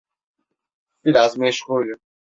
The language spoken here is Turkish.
Biraz meşgulüm.